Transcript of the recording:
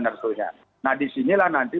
sebetulnya nah disinilah nanti